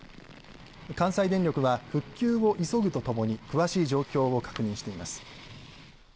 関西電力は、復旧を急ぐとともに詳しい状況を確認しています。